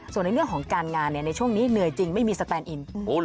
ส่วนในเรื่องของการงานในช่วงนี้เหนื่อยจริงไม่มีสแตนอิน